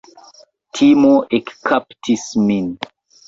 Timo ekkaptis min.